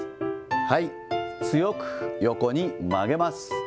はい、強く横に曲げます。